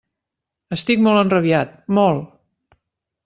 Estic molt enrabiat, molt!